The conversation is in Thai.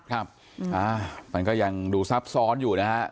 ครับมันก็ยังดูซับซ้อนอยู่นะฮะ